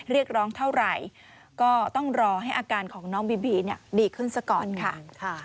เรียกร้องเท่าไหร่ก็ต้องรอให้อาการของน้องบีบีดีขึ้นซะก่อนค่ะ